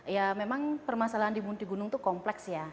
ya memang permasalahan di munti gunung itu kompleks ya